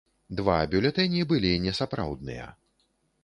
Два бюлетэні былі несапраўдныя.